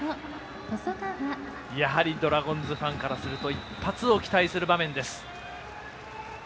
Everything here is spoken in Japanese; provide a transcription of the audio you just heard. ドラゴンズファンからすると一発を期待する場面です。